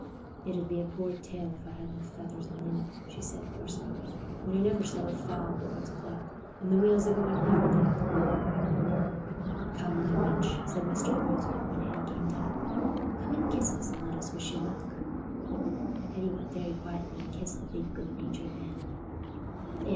"It ud be a poor tale if I hadna feathers and linen," she said, hoarsely, "when I never sell a fowl but what's plucked, and the wheel's a going every day o' the week." "Come, my wench," said Mr. Poyser, when Hetty came down, "come and kiss us, and let us wish you luck." Hetty went very quietly and kissed the big good natured man. "There!"